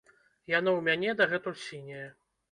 Яно ў мяне дагэтуль сіняе.